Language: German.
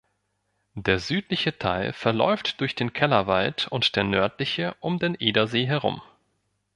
Der südliche Teil verläuft durch den Kellerwald und der nördliche um den Edersee herum.